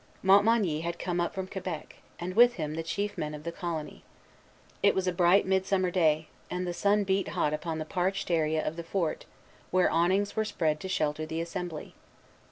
Montmagny had come up from Quebec, and with him the chief men of the colony. It was a bright midsummer day; and the sun beat hot upon the parched area of the fort, where awnings were spread to shelter the assembly.